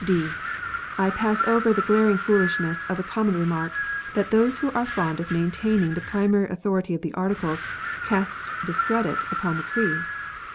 (d) I pass over the glaring foolishness of the common remark, that those who are fond of maintaining the primary authority of the Articles cast discredit upon the Creeds.